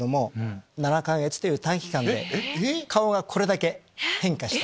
７か月という短期間で顔がこれだけ変化した。